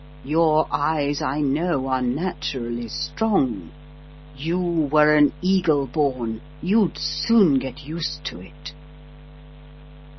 Your eyes, I know, are naturally strong; you were an eagle born: you'd soon get used to it."